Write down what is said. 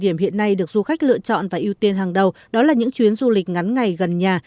điểm hiện nay được du khách lựa chọn và ưu tiên hàng đầu đó là những chuyến du lịch ngắn ngày gần nhà